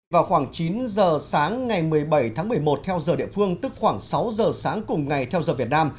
vào khoảng chín giờ sáng ngày một mươi bảy tháng một mươi một theo giờ địa phương tức khoảng sáu giờ sáng cùng ngày theo giờ việt nam